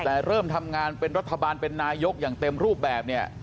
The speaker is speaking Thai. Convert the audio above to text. แต่เริ่มทำงานเป็นรัฐบาลเป็นนายกอย่างเต็มรูปแบบเนี่ย